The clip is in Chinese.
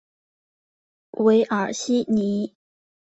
韦尔西尼。